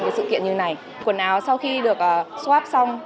một sự kiện như này quần áo sau khi được swap xong